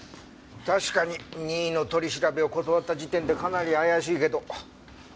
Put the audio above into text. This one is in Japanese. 確かに任意の取り調べを断った時点でかなり怪しいけど。